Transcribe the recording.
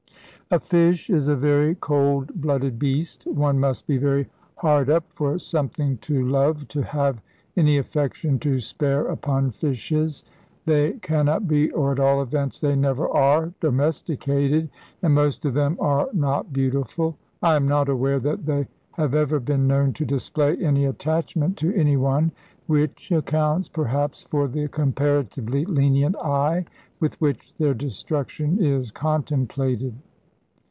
A fish is a very cold blooded beast. One must be very hard up for something to love to have any affection to spare upon fishes. They cannot be, or at all events they never are, domesticated, and most of them are not beautiful. I am not aware that they have ever been known to display any attachment to anyone, which accounts, perhaps, for the comparatively lenient eye with which their destruction is contemplated.